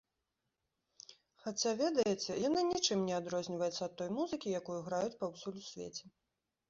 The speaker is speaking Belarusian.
Хаця, ведаеце, яна нічым не адрозніваецца ад той музыкі, якую граюць паўсюль у свеце.